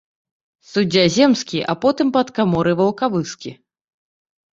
Суддзя земскі, а потым падкаморы ваўкавыскі.